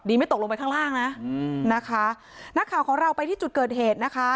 ไม่ตกลงไปข้างล่างนะอืมนะคะนักข่าวของเราไปที่จุดเกิดเหตุนะคะ